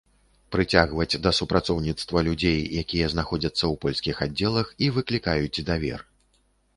Прыцягваць да супрацоўніцтва людзей, якія знаходзяцца ў польскіх аддзелах і выклікаюць давер.